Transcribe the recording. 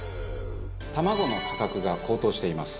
卵の価格が高騰しています。